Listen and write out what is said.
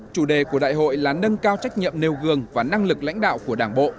chủ đề của đại hội là nâng cao trách nhiệm nêu gương và năng lực lãnh đạo của đảng bộ